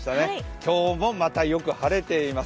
今日もまたよく晴れています。